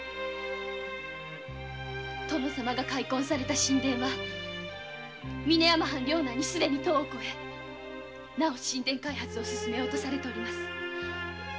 殿様が開墾された新田は領内にはすでに１０を越えなお開発を進めようとされております。